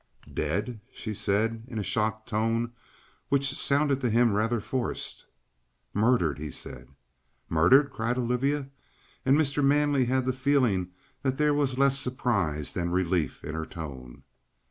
"Dead?" she said, in a shocked tone which sounded to him rather forced. "Murdered," he said. "Murdered?" cried Olivia, and Mr. Manley had the feeling that there was less surprise than relief in her tone.